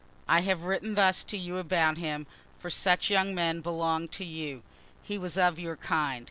I have written thus to you about him, for such young men belong to you; he was of your kind.